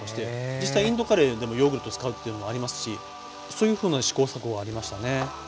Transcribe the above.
実際インドカレーでもヨーグルト使うっていうのもありますしそういうふうな試行錯誤はありましたね。